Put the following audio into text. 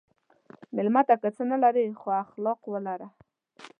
مېلمه ته که نه څه لرې، خو اخلاق ولره.